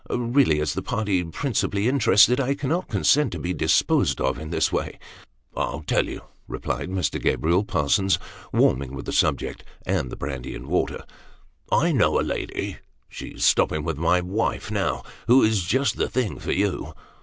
" Eeally, as the party principally interested, I cannot consent to be disposed of, in this way." Mr. Gabriel Parsons. 329 "I'll tell you," replied Mr. Gabriel Parsons, warming with the subject, and the brandy and water " I know a lady she's stopping with my wife now who is just the thing for you.